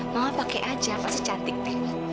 mama pakai aja pasti cantik teh